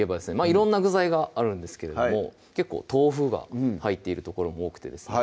色んな具材があるんですけれども結構豆腐が入っているところも多くてですね